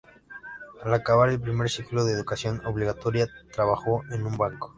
Al acabar el primer ciclo de educación obligatoria, trabajó en un banco.